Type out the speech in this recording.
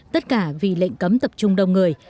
tất cả vì lệnh cấm tập trung đông người